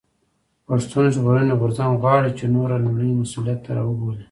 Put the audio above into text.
پښتون ژغورني غورځنګ غواړي چې نوره نړۍ مسؤليت ته راوبولي.